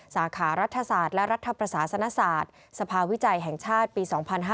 สาขารัฐศาสตร์และรัฐประสาสนศาสตร์สภาวิจัยแห่งชาติปี๒๕๕๙